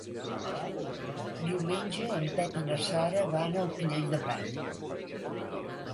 Diumenge en Pep i na Sara van al Pinell de Brai.